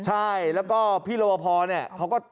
ใช่แล้วก็พี่รวบพอเนี่ยเขาก็